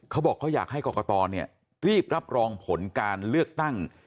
เขาบอกเขาอยากให้กรกตรีบรับรองผลการเลือกตั้ง